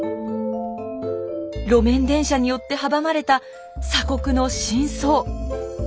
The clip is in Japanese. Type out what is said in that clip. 路面電車によって阻まれた鎖国の真相。